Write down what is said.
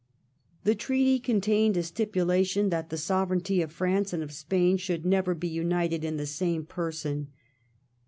The treaty contained a stipulation that the sovereignty of France and of Spain should never be united in the same person.